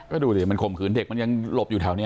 ก็ดูสิมันข่มขืนเด็กมันยังหลบอยู่แถวนี้